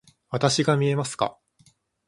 わたしが見えますか？